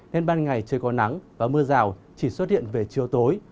nên ban ngày trời có nắng và mưa rào chỉ xuất hiện về chiều tối